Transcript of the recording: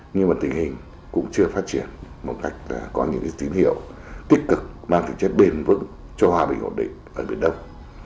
nhưng mà tình hình cũng chưa phát triển một cách có những tín hiệu tích cực mang tính chất bền vững cho hòa bình ổn định ở biển đông